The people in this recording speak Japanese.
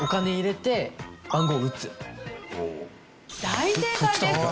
大正解です。